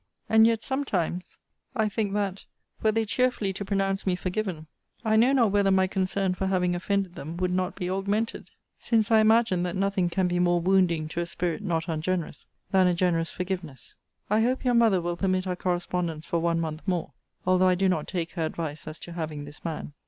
And yet sometimes I think that, were they cheerfully to pronounce me forgiven, I know not whether my concern for having offended them would not be augmented: since I imagine that nothing can be more wounding to a spirit not ungenerous than a generous forgiveness. I hope your mother will permit our correspondence for one month more, although I do not take her advice as to having this man.